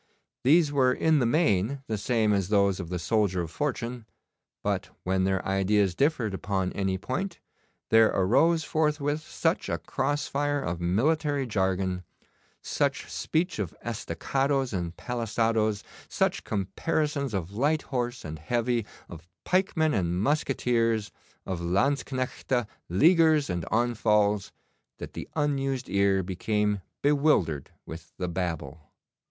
These were in the main the same as those of the soldier of fortune, but when their ideas differed upon any point, there arose forthwith such a cross fire of military jargon, such speech of estacados and palisados, such comparisons of light horse and heavy, of pikemen and musqueteers, of Lanzknechte, Leaguers, and on falls, that the unused ear became bewildered with the babble.